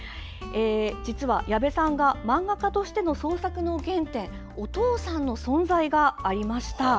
実は、矢部さんが漫画家としての創作の原点はお父さんの存在がありました。